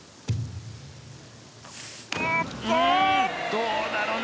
どうだろうな。